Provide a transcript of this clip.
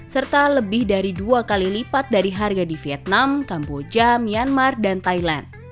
serta lebih dari dua kali lipat dari harga di vietnam kamboja myanmar dan thailand